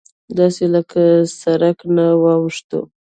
داسې له سرک نه واوښتوو.